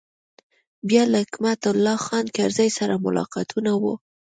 بیا له حکمت الله خان کرزي سره ملاقاتونه و.